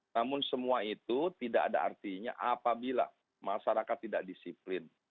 namun semua itu tidak ada artinya apabila masyarakat tidak disiplin